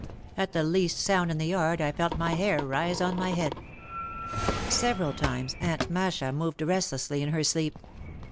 At the least sound in the yard I felt my hair rise on my head. Several times Aunt Masha moved restlessly in her sleep.